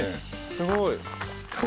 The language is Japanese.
すごい羊？